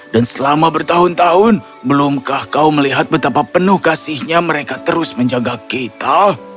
dan selama bertahun tahun belumkah kau melihat betapa penuh kasihnya mereka terus menjaga kita